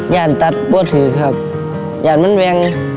ย่านตัดบัวถือครับย่านมันแวง